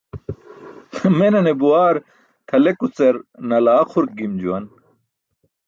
Menane buwaar tʰalekucar nalaa xurk gim juwan.